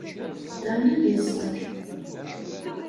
Dan ad iẓer.